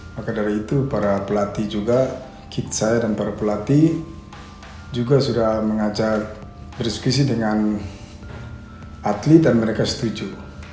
maka dari itu para pelatih juga saya dan para pelatih juga sudah mengajak berdiskusi dengan atlet dan mereka setuju